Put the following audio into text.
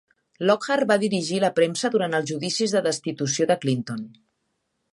Lockhart va dirigir la premsa durant els judicis de destitució de Clinton.